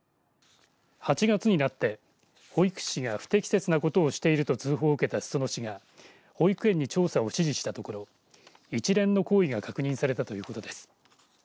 ８月になって保育士が不適切なことをしていると通報を受けた裾野市が保育園に調査を指示したところ一連の行為が確認されたということです。